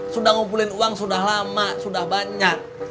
sudah ngumpulin uang sudah lama sudah banyak